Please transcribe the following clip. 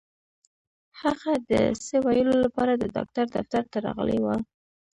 هغه د څه ويلو لپاره د ډاکټر دفتر ته راغلې وه.